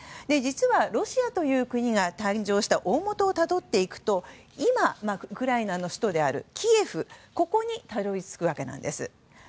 実は、ロシアという国が誕生した大元をたどっていくと今、ウクライナの首都であるキエフにたどり着くわけです。